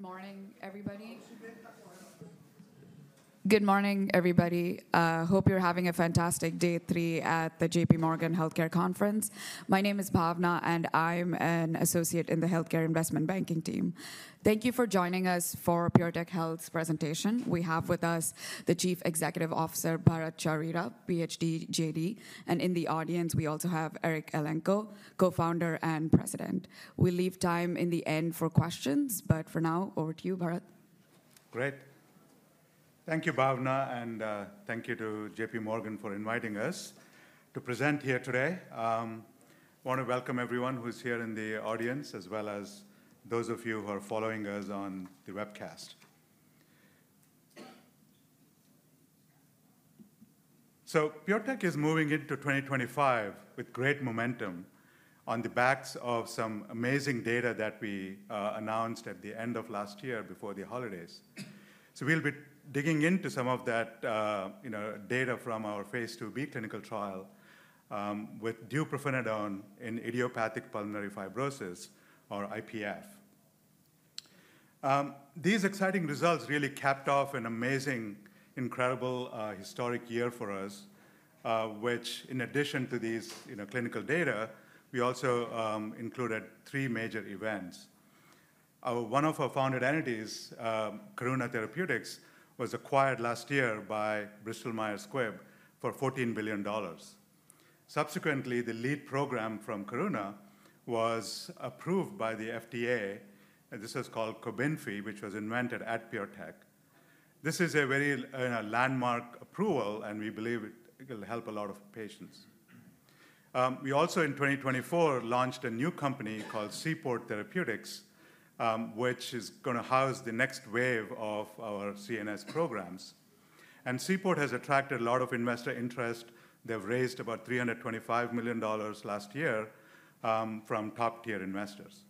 Good morning, everybody. Good morning, everybody. I hope you're having a fantastic day three at the JPMorgan Healthcare Conference. My name is Pavna, and I'm an associate in the Healthcare Investment Banking team. Thank you for joining us for PureTech Health's presentation. We have with us the Chief Executive Officer, Bharatt Chowrira, PhD, JD. And in the audience, we also have Eric Elenko, co-founder and president. We'll leave time in the end for questions, but for now, over to you, Bharatt. Great. Thank you, Pavna, and thank you to JPMorgan for inviting us to present here today. I want to welcome everyone who's here in the audience, as well as those of you who are following us on the webcast. So PureTech is moving into 2025 with great momentum on the backs of some amazing data that we announced at the end of last year before the holidays. So we'll be digging into some of that data from our phase IIb clinical trial with deupirfenidone in idiopathic pulmonary fibrosis, or IPF. These exciting results really capped off an amazing, incredible historic year for us, which, in addition to these clinical data, we also included three major events. One of our founded entities, Karuna Therapeutics, was acquired last year by Bristol-Myers Squibb for $14 billion. Subsequently, the lead program from Karuna was approved by the FDA. This was called Cobenfy, which was invented at PureTech. This is a very landmark approval, and we believe it will help a lot of patients. We also, in 2024, launched a new company called Seaport Therapeutics, which is going to house the next wave of our CNS programs. And Seaport has attracted a lot of investor interest. They've raised about $325 million last year from top-tier investors.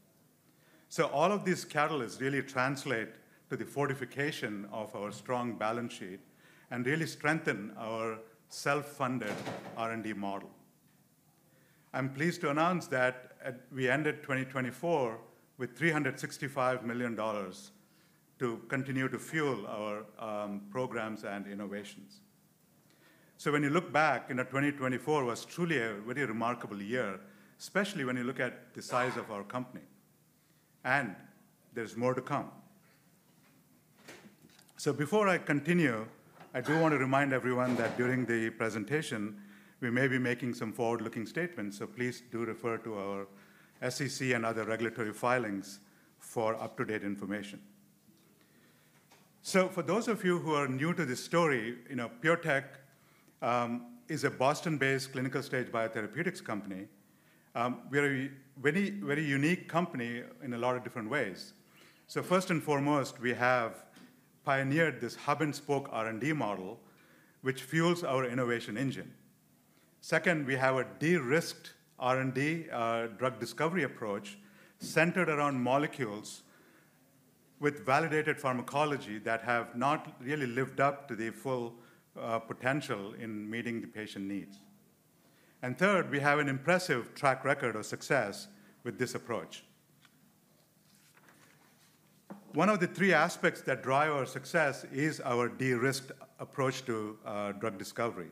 So all of this catalyst really translates to the fortification of our strong balance sheet and really strengthens our self-funded R&D model. I'm pleased to announce that we ended 2024 with $365 million to continue to fuel our programs and innovations. So when you look back, 2024 was truly a very remarkable year, especially when you look at the size of our company. And there's more to come. So before I continue, I do want to remind everyone that during the presentation, we may be making some forward-looking statements. So please do refer to our SEC and other regulatory filings for up-to-date information. So for those of you who are new to this story, PureTech is a Boston-based clinical stage biotherapeutics company. We're a very unique company in a lot of different ways. So first and foremost, we have pioneered this hub-and-spoke R&D model, which fuels our innovation engine. Second, we have a de-risked R&D drug discovery approach centered around molecules with validated pharmacology that have not really lived up to the full potential in meeting the patient needs. And third, we have an impressive track record of success with this approach. One of the three aspects that drive our success is our de-risked approach to drug discovery.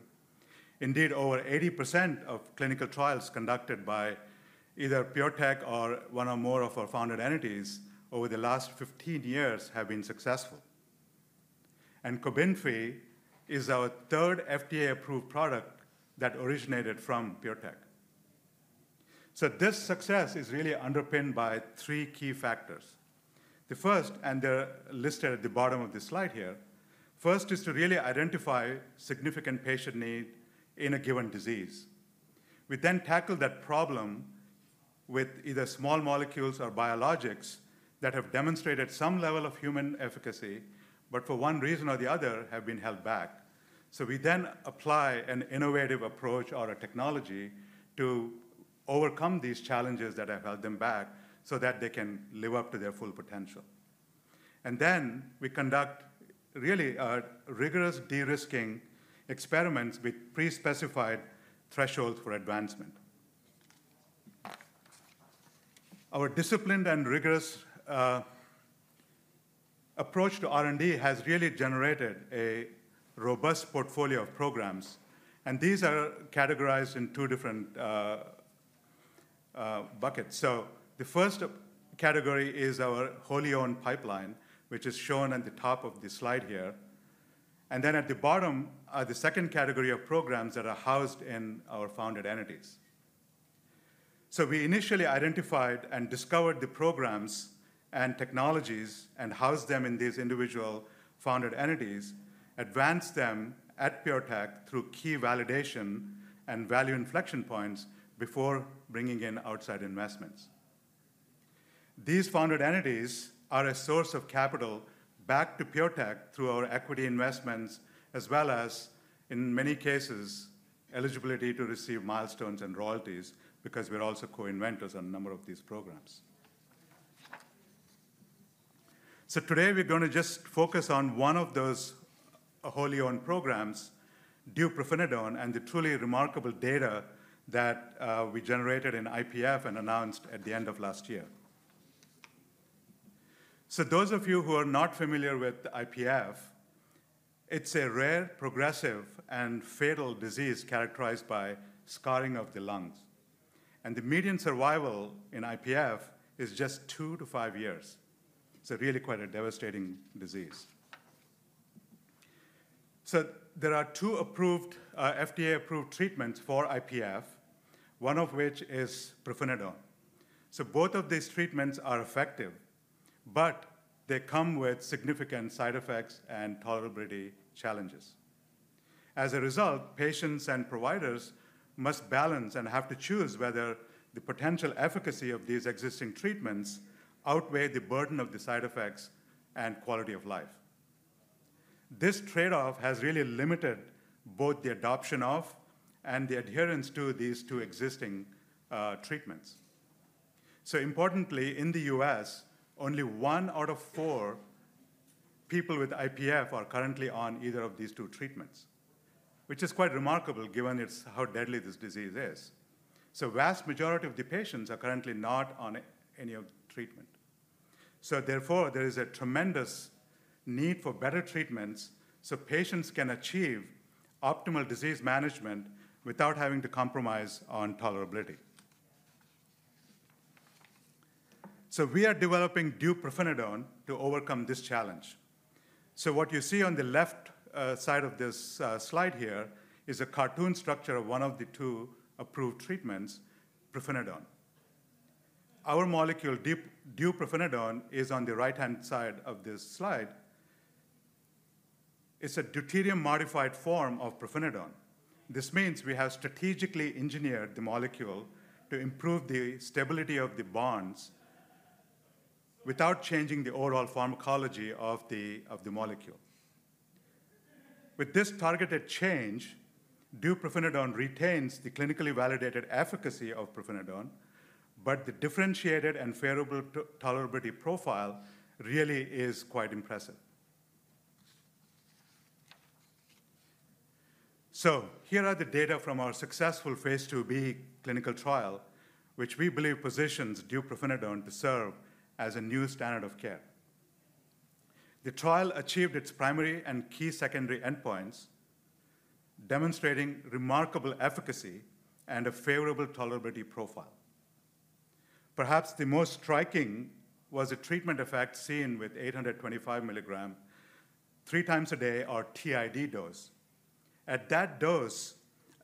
Indeed, over 80% of clinical trials conducted by either PureTech or one or more of our founded entities over the last 15 years have been successful. And Cobenfy is our third FDA-approved product that originated from PureTech. So this success is really underpinned by three key factors. The first, and they're listed at the bottom of this slide here, first is to really identify significant patient need in a given disease. We then tackle that problem with either small molecules or biologics that have demonstrated some level of human efficacy, but for one reason or the other have been held back. So we then apply an innovative approach or a technology to overcome these challenges that have held them back so that they can live up to their full potential. And then we conduct really rigorous de-risking experiments with pre-specified thresholds for advancement. Our disciplined and rigorous approach to R&D has really generated a robust portfolio of programs, and these are categorized in two different buckets, so the first category is our wholly owned pipeline, which is shown at the top of the slide here, and then at the bottom are the second category of programs that are housed in our founded entities, so we initially identified and discovered the programs and technologies and housed them in these individual founded entities, advanced them at PureTech through key validation and value inflection points before bringing in outside investments. These founded entities are a source of capital back to PureTech through our equity investments, as well as, in many cases, eligibility to receive milestones and royalties, because we're also co-inventors on a number of these programs. Today, we're going to just focus on one of those wholly owned programs, deupirfenidone, and the truly remarkable data that we generated in IPF and announced at the end of last year. Those of you who are not familiar with IPF, it's a rare, progressive, and fatal disease characterized by scarring of the lungs. The median survival in IPF is just two to five years. It's really quite a devastating disease. There are two FDA-approved treatments for IPF, one of which is pirfenidone. Both of these treatments are effective, but they come with significant side effects and tolerability challenges. As a result, patients and providers must balance and have to choose whether the potential efficacy of these existing treatments outweighs the burden of the side effects and quality of life. This trade-off has really limited both the adoption of and the adherence to these two existing treatments. So importantly, in the U.S., only one out of four people with IPF are currently on either of these two treatments, which is quite remarkable given how deadly this disease is. So the vast majority of the patients are currently not on any treatment. So therefore, there is a tremendous need for better treatments so patients can achieve optimal disease management without having to compromise on tolerability. So we are developing deupirfenidone to overcome this challenge. So what you see on the left side of this slide here is a cartoon structure of one of the two approved treatments, pirfenidone. Our molecule, deupirfenidone, is on the right-hand side of this slide. It's a deuterium-modified form of pirfenidone. This means we have strategically engineered the molecule to improve the stability of the bonds without changing the overall pharmacology of the molecule. With this targeted change, deupirfenidone retains the clinically validated efficacy of pirfenidone, but the differentiated and favorable tolerability profile really is quite impressive. So here are the data from our successful phase IIb clinical trial, which we believe positions deupirfenidone to serve as a new standard of care. The trial achieved its primary and key secondary endpoints, demonstrating remarkable efficacy and a favorable tolerability profile. Perhaps the most striking was the treatment effect seen with 825 milligrams three times a day, or TID dose. At that dose,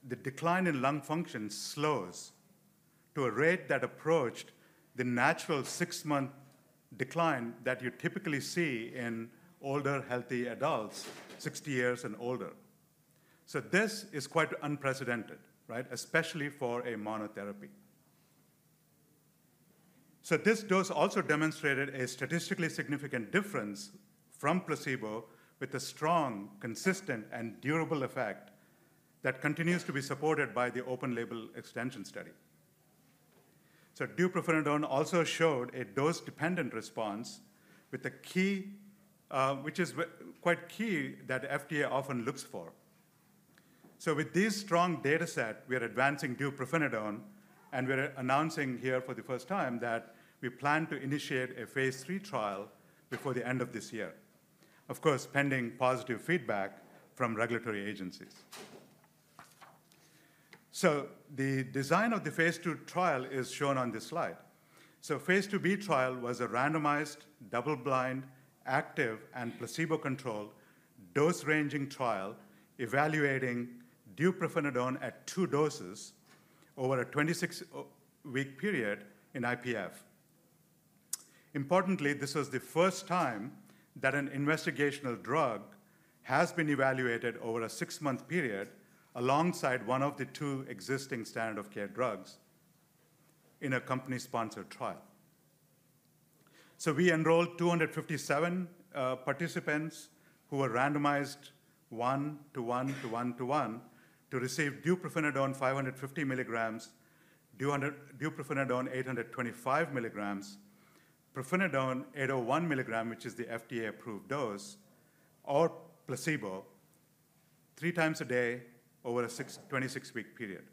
the decline in lung function slows to a rate that approached the natural six-month decline that you typically see in older, healthy adults, 60 years and older. So this is quite unprecedented, especially for a monotherapy. This dose also demonstrated a statistically significant difference from placebo with a strong, consistent, and durable effect that continues to be supported by the open-label extension study. deupirfenidone also showed a dose-dependent response with a key, which is quite key, that the FDA often looks for. With this strong data set, we are advancing deupirfenidone, and we're announcing here for the first time that we plan to initiate a phase III trial before the end of this year, of course, pending positive feedback from regulatory agencies. The design of the phase II trial is shown on this slide. The phase IIb trial was a randomized, double-blind, active, and placebo-controlled dose-ranging trial evaluating deupirfenidone at two doses over a 26-week period in IPF. Importantly, this was the first time that an investigational drug has been evaluated over a six-month period alongside one of the two existing standard-of-care drugs in a company-sponsored trial, so we enrolled 257 participants who were randomized one-to-one-to-one-to-one to receive deupirfenidone 550 milligrams, deupirfenidone 825 milligrams, pirfenidone 801 milligrams, which is the FDA-approved dose, or placebo three times a day over a 26-week period.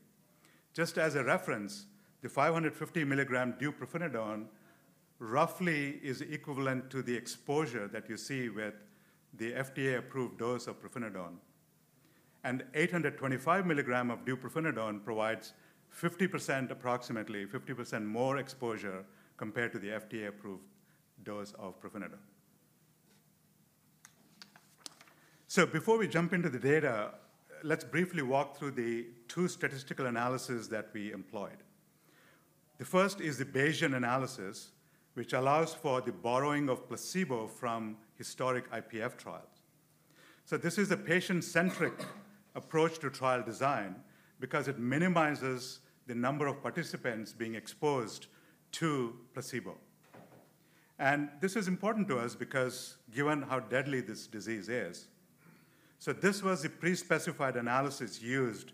Just as a reference, the 550 milligram deupirfenidone roughly is equivalent to the exposure that you see with the FDA-approved dose of pirfenidone, and 825 milligrams of deupirfenidone provides 50%, approximately 50% more exposure compared to the FDA-approved dose of pirfenidone, so before we jump into the data, let's briefly walk through the two statistical analyses that we employed. The first is the Bayesian analysis, which allows for the borrowing of placebo from historic IPF trials. This is a patient-centric approach to trial design because it minimizes the number of participants being exposed to placebo. And this is important to us because, given how deadly this disease is, this was a pre-specified analysis used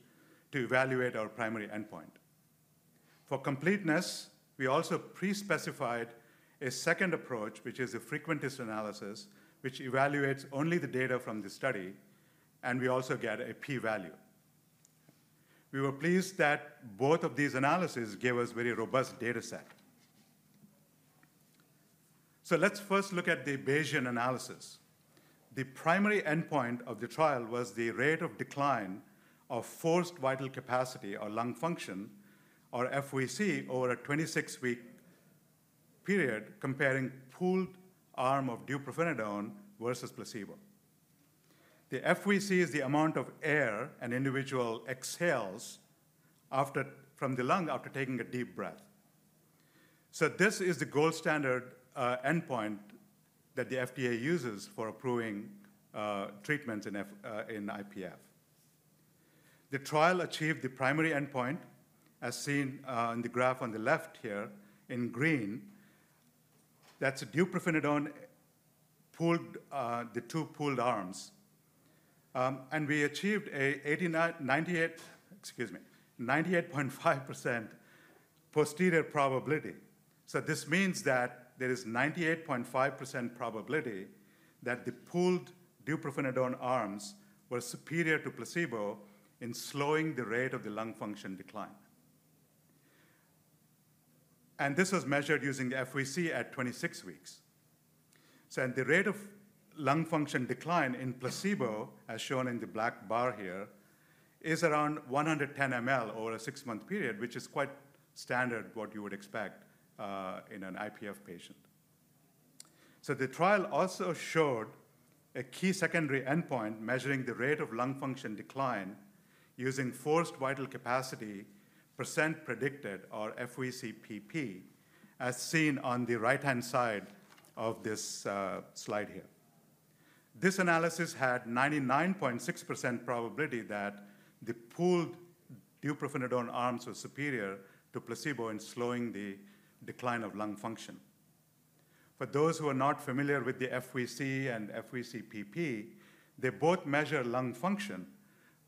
to evaluate our primary endpoint. For completeness, we also pre-specified a second approach, which is a frequentist analysis, which evaluates only the data from the study, and we also get a p-value. We were pleased that both of these analyses gave us a very robust data set. Let's first look at the Bayesian analysis. The primary endpoint of the trial was the rate of decline of forced vital capacity or lung function, or FVC, over a 26-week period, comparing pooled arm of deupirfenidone versus placebo. The FVC is the amount of air an individual exhales from the lung after taking a deep breath. This is the gold standard endpoint that the FDA uses for approving treatments in IPF. The trial achieved the primary endpoint, as seen in the graph on the left here in green. That's deupirfenidone pooled, the two pooled arms. And we achieved a 98.5% posterior probability. So this means that there is 98.5% probability that the pooled deupirfenidone arms were superior to placebo in slowing the rate of the lung function decline. And this was measured using the FVC at 26 weeks. So the rate of lung function decline in placebo, as shown in the black bar here, is around 110 mL over a six-month period, which is quite standard, what you would expect in an IPF patient. The trial also showed a key secondary endpoint measuring the rate of lung function decline using forced vital capacity percent predicted, or FVCPP, as seen on the right-hand side of this slide here. This analysis had 99.6% probability that the pooled deupirfenidone arms were superior to placebo in slowing the decline of lung function. For those who are not familiar with the FVC and FVCPP, they both measure lung function,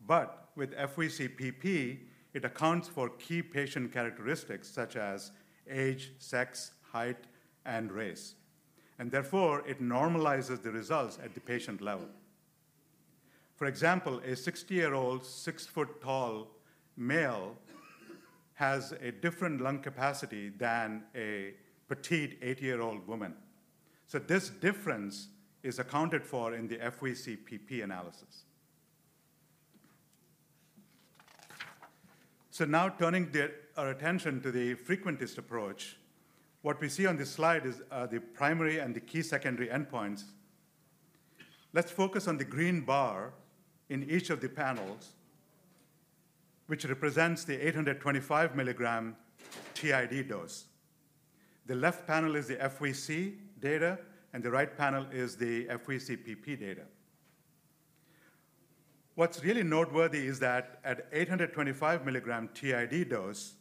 but with FVCPP, it accounts for key patient characteristics such as age, sex, height, and race, and therefore, it normalizes the results at the patient level. For example, a 60-year-old, six-foot-tall male has a different lung capacity than a petite 80-year-old woman, so this difference is accounted for in the FVCPP analysis. Now turning our attention to the frequentist approach, what we see on this slide is the primary and the key secondary endpoints. Let's focus on the green bar in each of the panels, which represents the 825 milligram TID dose. The left panel is the FVC data, and the right panel is the FVCPP data. What's really noteworthy is that at 825 milligram TID dose,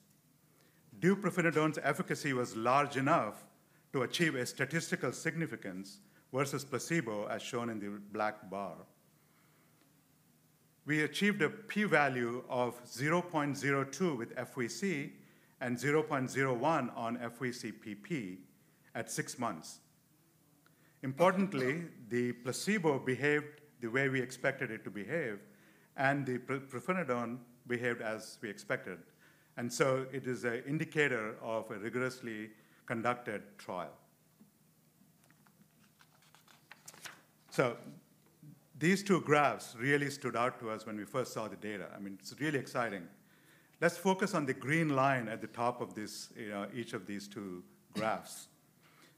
deupirfenidone's efficacy was large enough to achieve a statistical significance versus placebo, as shown in the black bar. We achieved a p-value of 0.02 with FVC and 0.01 on FVCPP at six months. Importantly, the placebo behaved the way we expected it to behave, and the pirfenidone behaved as we expected. And so it is an indicator of a rigorously conducted trial. So these two graphs really stood out to us when we first saw the data. I mean, it's really exciting. Let's focus on the green line at the top of each of these two graphs.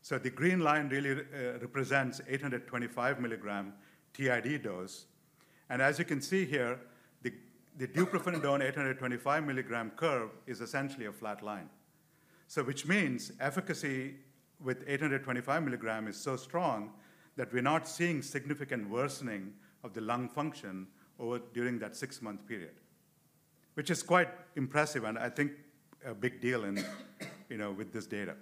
So the green line really represents 825 milligram TID dose. As you can see here, the deupirfenidone 825 milligram curve is essentially a flat line, which means efficacy with 825 milligram is so strong that we're not seeing significant worsening of the lung function during that six-month period, which is quite impressive and I think a big deal with this data.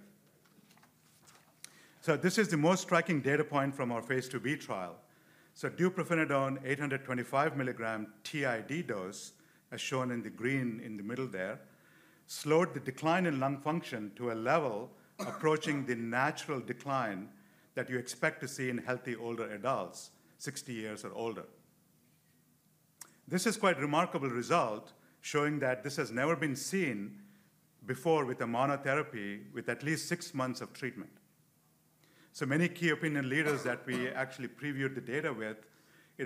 This is the most striking data point from our phase II-B trial. deupirfenidone 825 milligram TID dose, as shown in the green in the middle there, slowed the decline in lung function to a level approaching the natural decline that you expect to see in healthy older adults, 60 years or older. This is quite a remarkable result, showing that this has never been seen before with a monotherapy with at least six months of treatment. So many key opinion leaders that we actually previewed the data with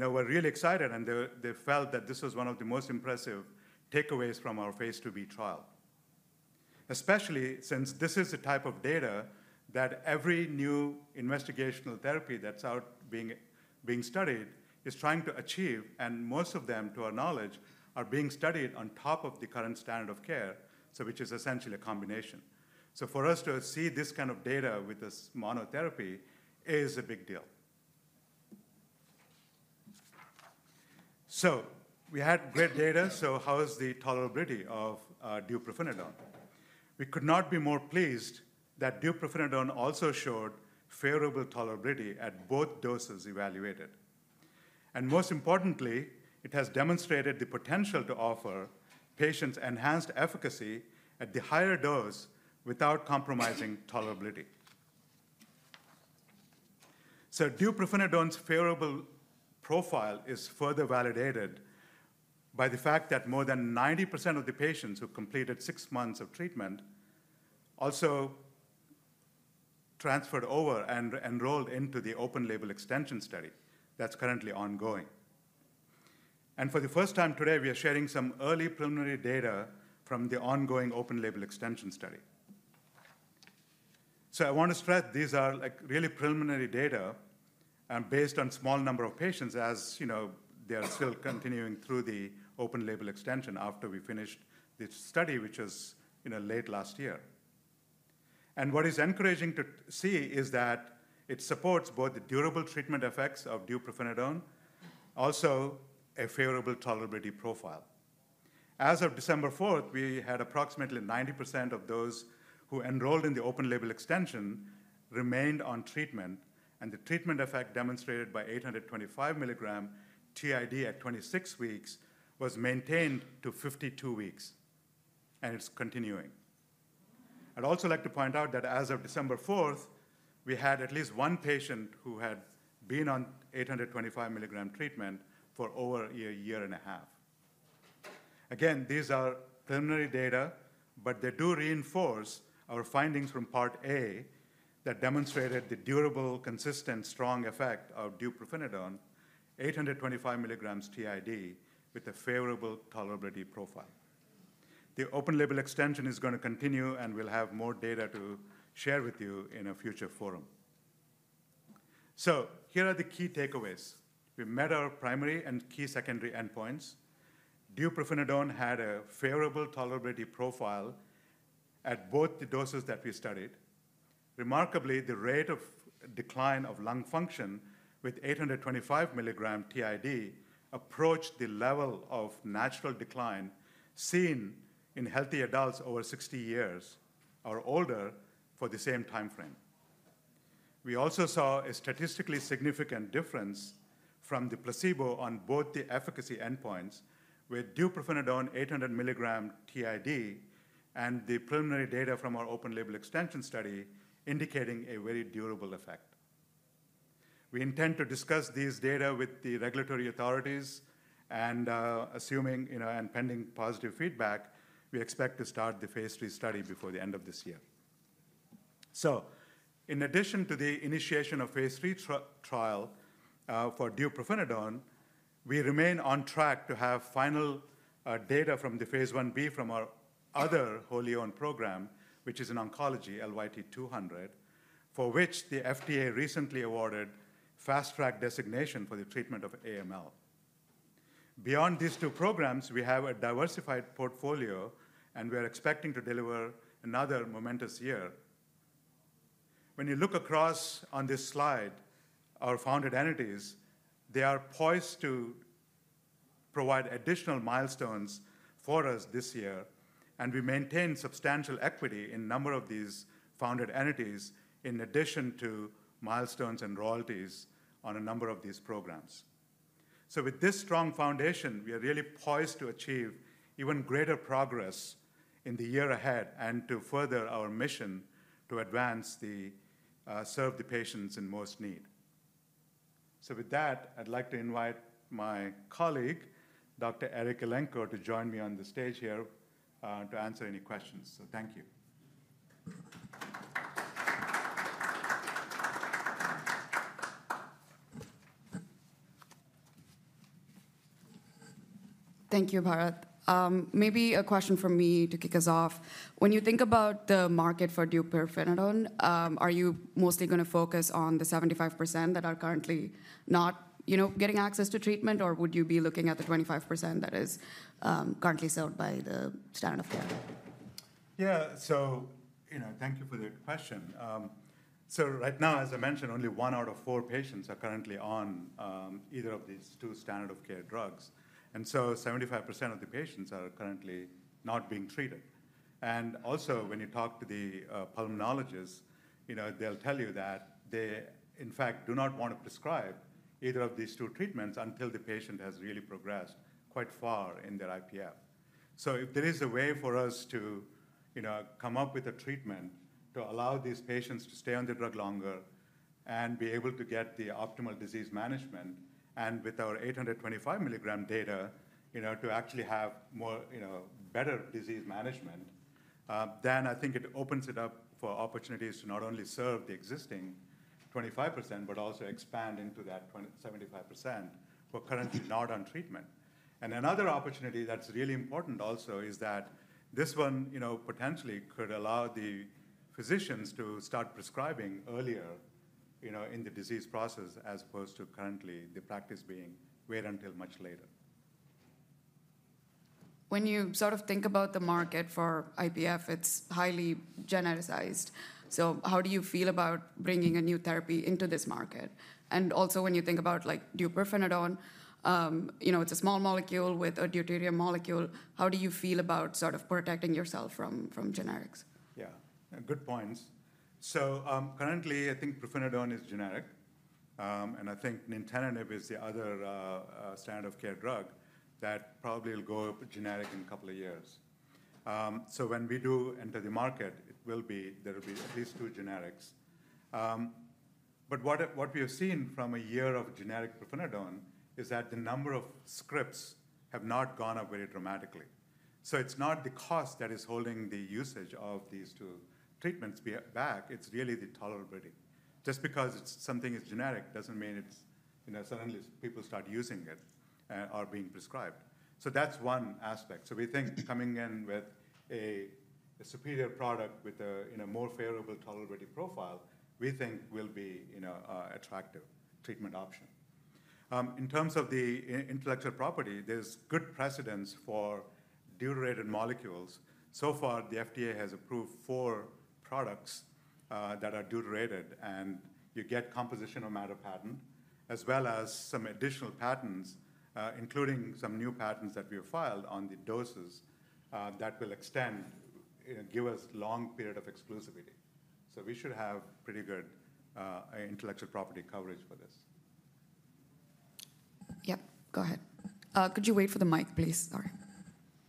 were really excited, and they felt that this was one of the most impressive takeaways from our phase IIb trial, especially since this is the type of data that every new investigational therapy that's out being studied is trying to achieve. And most of them, to our knowledge, are being studied on top of the current standard of care, which is essentially a combination. So for us to see this kind of data with this monotherapy is a big deal. So we had great data. So how is the tolerability of deupirfenidone? We could not be more pleased that deupirfenidone also showed favorable tolerability at both doses evaluated. And most importantly, it has demonstrated the potential to offer patients enhanced efficacy at the higher dose without compromising tolerability. deupirfenidone's favorable profile is further validated by the fact that more than 90% of the patients who completed six months of treatment also transferred over and enrolled into the open-label extension study that's currently ongoing. For the first time today, we are sharing some early preliminary data from the ongoing open-label extension study. I want to stress these are really preliminary data based on a small number of patients, as they are still continuing through the open-label extension after we finished this study, which was late last year. What is encouraging to see is that it supports both the durable treatment effects of deupirfenidone, also a favorable tolerability profile. As of December 4, we had approximately 90% of those who enrolled in the open-label extension remained on treatment, and the treatment effect demonstrated by 825 milligram TID at 26 weeks was maintained to 52 weeks, and it's continuing. I'd also like to point out that as of December 4, we had at least one patient who had been on 825 milligram treatment for over a year and a half. Again, these are preliminary data, but they do reinforce our findings from part A that demonstrated the durable, consistent, strong effect of deupirfenidone, 825 milligrams TID, with a favorable tolerability profile. The open-label extension is going to continue, and we'll have more data to share with you in a future forum. So here are the key takeaways. We met our primary and key secondary endpoints. deupirfenidone had a favorable tolerability profile at both the doses that we studied. Remarkably, the rate of decline of lung function with 825 milligram TID approached the level of natural decline seen in healthy adults over 60 years or older for the same time frame. We also saw a statistically significant difference from the placebo on both the efficacy endpoints with deupirfenidone, 800 milligram TID, and the preliminary data from our open-label extension study indicating a very durable effect. We intend to discuss these data with the regulatory authorities and, assuming and pending positive feedback, we expect to start the phase III study before the end of this year, so in addition to the initiation of phase III trial for deupirfenidone, we remain on track to have final data from the phase Ib from our other wholly-owned program, which is in oncology, LYT-200, for which the FDA recently awarded fast-track designation for the treatment of AML. Beyond these two programs, we have a diversified portfolio, and we are expecting to deliver another momentous year. When you look across on this slide, our founded entities, they are poised to provide additional milestones for us this year, and we maintain substantial equity in a number of these founded entities, in addition to milestones and royalties on a number of these programs, so with this strong foundation, we are really poised to achieve even greater progress in the year ahead and to further our mission to advance and serve the patients in most need, so with that, I'd like to invite my colleague, Dr. Eric Elenko, to join me on the stage here to answer any questions, so thank you. Thank you, Bharatt. Maybe a question for me to kick us off. When you think about the market for deupirfenidone, are you mostly going to focus on the 75% that are currently not getting access to treatment, or would you be looking at the 25% that is currently served by the standard of care? Yeah. So thank you for the question. So right now, as I mentioned, only one out of four patients are currently on either of these two standard of care drugs. And so 75% of the patients are currently not being treated. And also, when you talk to the pulmonologists, they'll tell you that they, in fact, do not want to prescribe either of these two treatments until the patient has really progressed quite far in their IPF. So if there is a way for us to come up with a treatment to allow these patients to stay on the drug longer and be able to get the optimal disease management, and with our 825 milligram data to actually have better disease management, then I think it opens it up for opportunities to not only serve the existing 25%, but also expand into that 75% who are currently not on treatment. Another opportunity that's really important also is that this one potentially could allow the physicians to start prescribing earlier in the disease process, as opposed to currently the practice being wait until much later. When you sort of think about the market for IPF, it's highly genericized. So how do you feel about bringing a new therapy into this market? And also, when you think about deupirfenidone, it's a small molecule with a deuterium molecule. How do you feel about sort of protecting yourself from generics? Yeah. Good points. So currently, I think pirfenidone is generic. And I think nintedanib is the other standard of care drug that probably will go generic in a couple of years. So when we do enter the market, there will be at least two generics. But what we have seen from a year of generic pirfenidone is that the number of scripts have not gone up very dramatically. So it's not the cost that is holding the usage of these two treatments back. It's really the tolerability. Just because something is generic doesn't mean suddenly people start using it or being prescribed. So that's one aspect. So we think coming in with a superior product with a more favorable tolerability profile, we think, will be an attractive treatment option. In terms of the intellectual property, there's good precedence for deuterated molecules. So far, the FDA has approved four products that are deuterated, and you get composition of matter patent, as well as some additional patents, including some new patents that we have filed on the doses that will extend, give us a long period of exclusivity, so we should have pretty good intellectual property coverage for this. Yep. Go ahead. Could you wait for the mic, please? Sorry.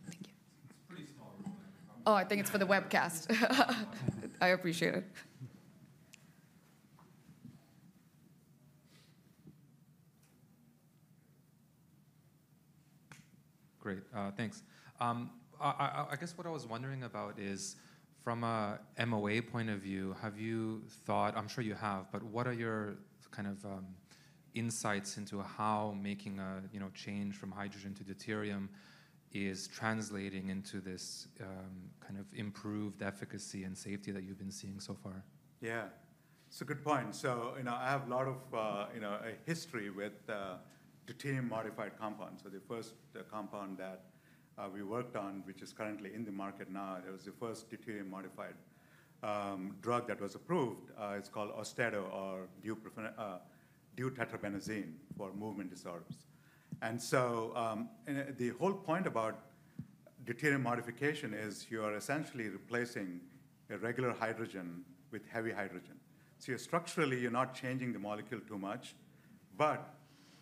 Thank you. Oh, I think it's for the webcast. I appreciate it. Great. Thanks. I guess what I was wondering about is, from an MOA point of view, have you thought I'm sure you have, but what are your kind of insights into how making a change from hydrogen to deuterium is translating into this kind of improved efficacy and safety that you've been seeing so far? Yeah. It's a good point. So I have a lot of history with deuterium modified compounds. So the first compound that we worked on, which is currently in the market now, it was the first deuterium modified drug that was approved. It's called Austedo or deutetrabenazine for movement disorders. And so the whole point about deuterium modification is you are essentially replacing a regular hydrogen with heavy hydrogen. So structurally, you're not changing the molecule too much, but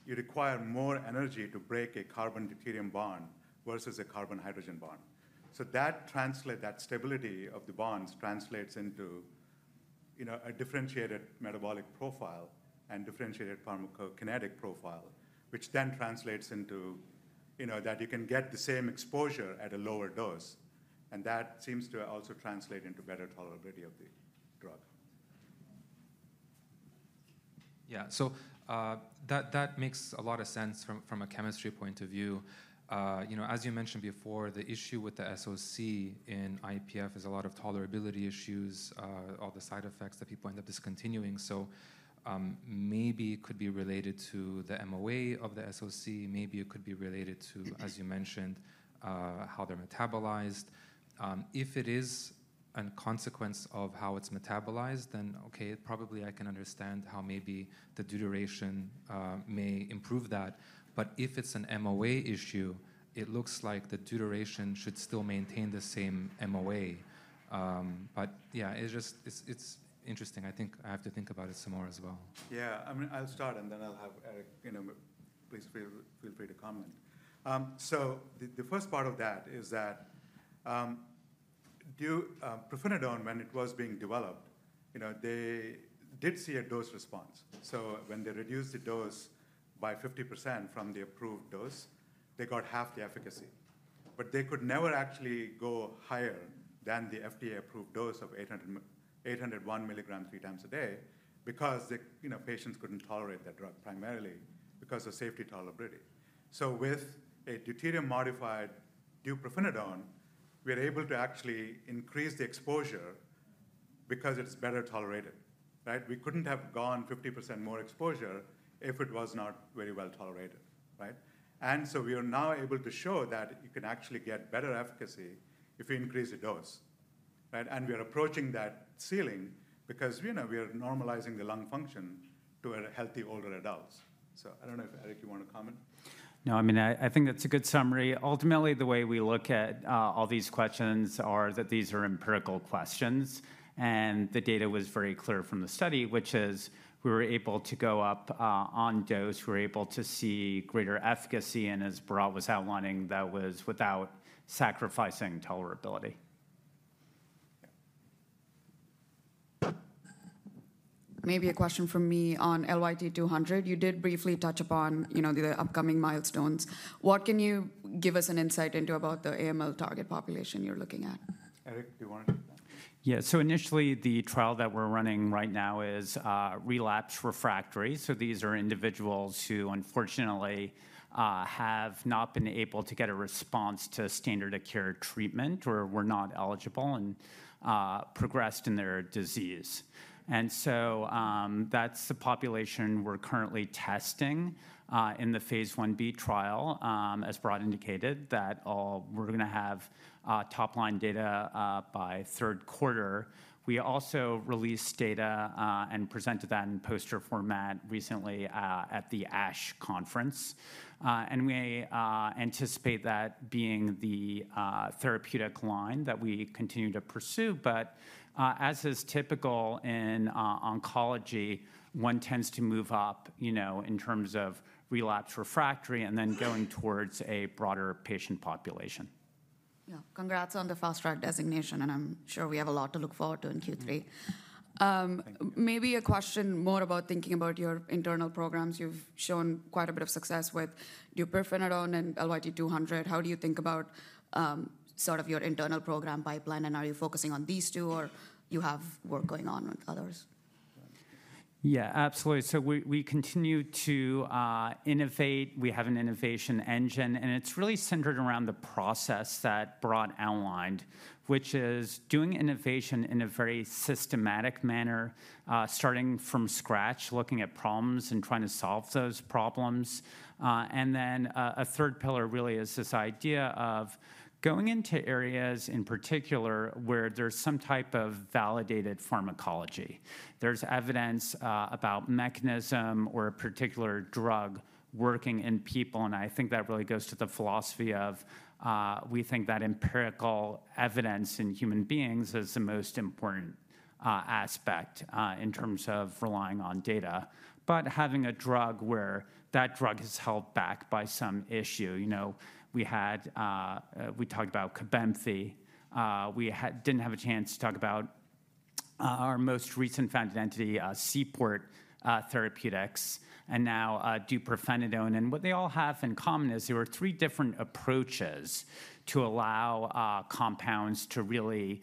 you require more energy to break a carbon-deuterium bond versus a carbon-hydrogen bond. So that translates that stability of the bonds translates into a differentiated metabolic profile and differentiated pharmacokinetic profile, which then translates into that you can get the same exposure at a lower dose. And that seems to also translate into better tolerability of the drug. Yeah. So that makes a lot of sense from a chemistry point of view. As you mentioned before, the issue with the SOC in IPF is a lot of tolerability issues, all the side effects that people end up discontinuing. So maybe it could be related to the MOA of the SOC. Maybe it could be related to, as you mentioned, how they're metabolized. If it is a consequence of how it's metabolized, then OK, probably I can understand how maybe the deuteration may improve that. But if it's an MOA issue, it looks like the deuteration should still maintain the same MOA. But yeah, it's interesting. I think I have to think about it some more as well. Yeah. I'll start, and then I'll have Eric please feel free to comment. So the first part of that is that pirfenidone, when it was being developed, they did see a dose response. So when they reduced the dose by 50% from the approved dose, they got half the efficacy. But they could never actually go higher than the FDA-approved dose of 801 milligrams three times a day because patients couldn't tolerate that drug, primarily because of safety tolerability. So with a deuterium modified deupirfenidone, we are able to actually increase the exposure because it's better tolerated. We couldn't have gone 50% more exposure if it was not very well tolerated. And so we are now able to show that you can actually get better efficacy if you increase the dose. And we are approaching that ceiling because we are normalizing the lung function to healthy older adults. So I don't know if, Eric, you want to comment? No. I mean, I think that's a good summary. Ultimately, the way we look at all these questions is that these are empirical questions. And the data was very clear from the study, which is we were able to go up on dose. We were able to see greater efficacy. And as Bharatt was outlining, that was without sacrificing tolerability. Maybe a question from me on LYT-200. You did briefly touch upon the upcoming milestones. What can you give us an insight into about the AML target population you're looking at? Eric, do you want to take that? Yeah. So initially, the trial that we're running right now is relapse refractory. So these are individuals who, unfortunately, have not been able to get a response to standard of care treatment or were not eligible and progressed in their disease. And so that's the population we're currently testing in the phase Ib trial, as Bharatt indicated, that we're going to have top-line data by third quarter. We also released data and presented that in poster format recently at the ASH conference. And we anticipate that being the therapeutic line that we continue to pursue. But as is typical in oncology, one tends to move up in terms of relapse refractory and then going towards a broader patient population. Yeah. Congrats on the fast-track designation. And I'm sure we have a lot to look forward to in Q3. Maybe a question more about thinking about your internal programs you've shown quite a bit of success with deupirfenidone and LYT-200. How do you think about sort of your internal program pipeline? And are you focusing on these two, or do you have work going on with others? Yeah. Absolutely. So we continue to innovate. We have an innovation engine. And it's really centered around the process that Bharatt outlined, which is doing innovation in a very systematic manner, starting from scratch, looking at problems and trying to solve those problems. And then a third pillar really is this idea of going into areas, in particular, where there's some type of validated pharmacology. There's evidence about mechanism or a particular drug working in people. And I think that really goes to the philosophy of we think that empirical evidence in human beings is the most important aspect in terms of relying on data, but having a drug where that drug is held back by some issue. We talked about Cobenfy. We didn't have a chance to talk about our most recent founded entity, Seaport Therapeutics, and now deupirfenidone. What they all have in common is there are three different approaches to allow compounds to really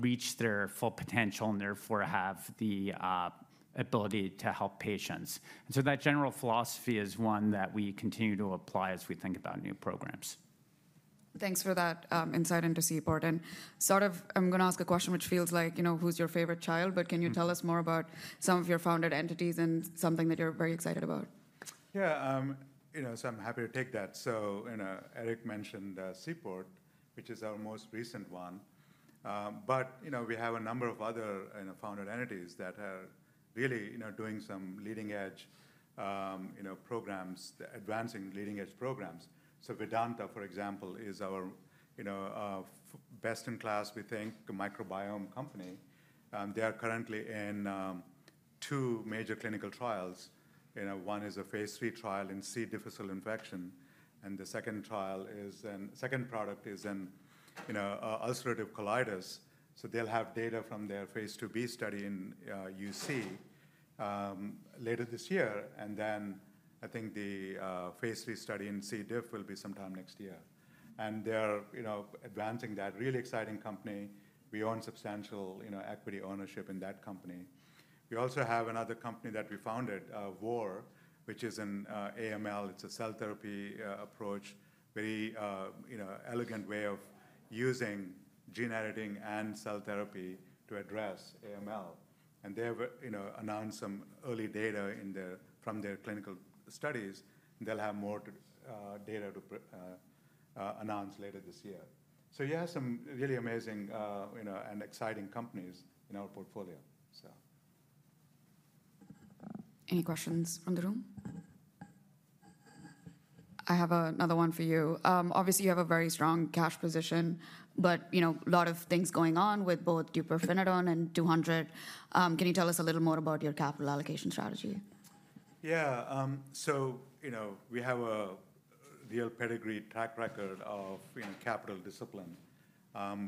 reach their full potential and therefore have the ability to help patients. So that general philosophy is one that we continue to apply as we think about new programs. Thanks for that insight into Seaport, and sort of I'm going to ask a question which feels like who's your favorite child, but can you tell us more about some of your founded entities and something that you're very excited about? Yeah. So I'm happy to take that. So Eric mentioned Seaport, which is our most recent one. But we have a number of other founded entities that are really doing some leading-edge programs, advancing leading-edge programs. So Vedanta, for example, is our best-in-class, we think, microbiome company. They are currently in two major clinical trials. One is a phase III trial in C. difficile infection. And the second product is in ulcerative colitis. So they'll have data from their phase IIB study in UC later this year. And then I think the phase III study in C. diff will be sometime next year. And they're advancing that. Really exciting company. We own substantial equity ownership in that company. We also have another company that we founded, Vor, which is an AML. It's a cell therapy approach, very elegant way of using gene editing and cell therapy to address AML. And they announced some early data from their clinical studies. They will have more data to announce later this year. So yeah, some really amazing and exciting companies in our portfolio. Any questions from the room? I have another one for you. Obviously, you have a very strong cash position, but a lot of things going on with both deupirfenidone and 200. Can you tell us a little more about your capital allocation strategy? Yeah, so we have a real pedigree track record of capital discipline.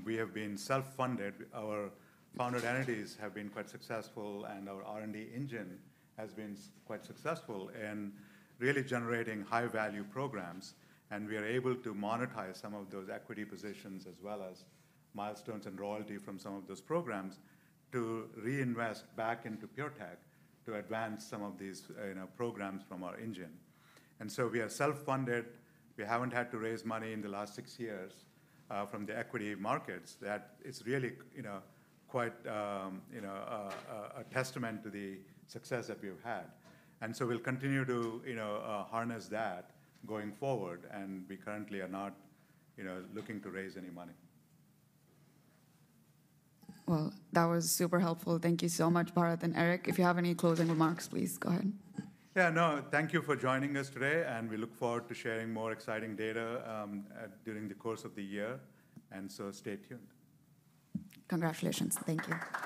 We have been self-funded. Our founded entities have been quite successful, and our R&D engine has been quite successful in really generating high-value programs, and we are able to monetize some of those equity positions as well as milestones and royalty from some of those programs to reinvest back into PureTech to advance some of these programs from our engine, and so we are self-funded. We haven't had to raise money in the last six years from the equity markets. That is really quite a testament to the success that we've had, and so we'll continue to harness that going forward, and we currently are not looking to raise any money. That was super helpful. Thank you so much, Bharatt and Eric. If you have any closing remarks, please go ahead. Thank you for joining us today. And we look forward to sharing more exciting data during the course of the year. And so stay tuned. Congratulations. Thank you.